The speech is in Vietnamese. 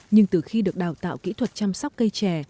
nhưng từ khi được đào tạo kỹ thuật chăm sóc cây trè